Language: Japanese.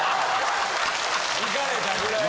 行かれたぐらい。